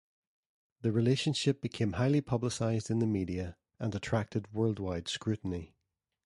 The relationship became highly publicised in the media and attracted worldwide scrutiny.